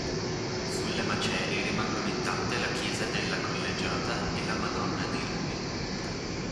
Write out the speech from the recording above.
Sulle macerie rimangono intatte la Chiesa della Collegiata e la Madonna dei Lumi.